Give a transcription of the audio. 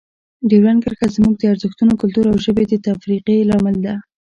ډیورنډ کرښه زموږ د ارزښتونو، کلتور او ژبې د تفرقې لامل ده.